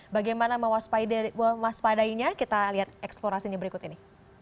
bagaimana memuat sepadainya kita lihat eksplorasinya berikut ini